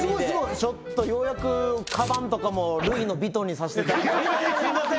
ちょっとようやくカバンとかもルイのヴィトンにさせていただいてすいません